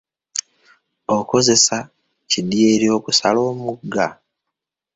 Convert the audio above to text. Okozesa kidyeri okusala omugga?